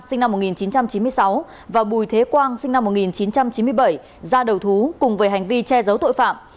sinh năm một nghìn chín trăm chín mươi sáu và bùi thế quang sinh năm một nghìn chín trăm chín mươi bảy ra đầu thú cùng với hành vi che giấu tội phạm